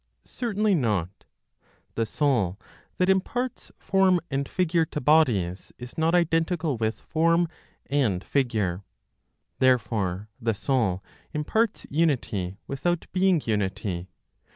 Certainly not. The soul that imparts form and figure to bodies is not identical with form, and figure. Therefore the soul imparts unity without being unity.